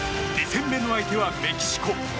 ２戦目の相手はメキシコ。